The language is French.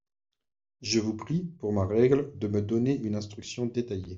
Je vous prie, pour ma règle, de me donner une instruction détaillée.